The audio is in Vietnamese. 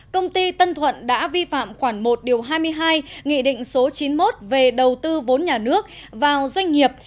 công ty tân thuận đã vi phạm khoảng một hai mươi hai nghị định số chín mươi một về đầu tư vốn nhà nước vào doanh nghiệp